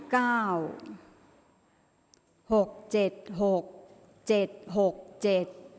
ออกรางวัลที่๖